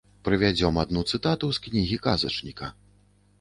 Прывядзём адну цытату з кнігі казачніка.